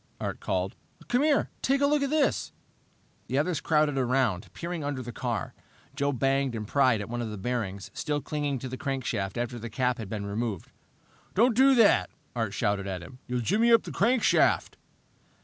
Art called. "Come here! Look at this!" The others crowded around, peering under the car. Joe banged and pried at one of the bearings, still clinging to the crankshaft after the cap had been removed. "Don't do that!" Art shouted at him. "You'll jimmy up the crankshaft!"